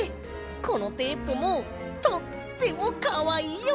このテープもとってもかわいいよ！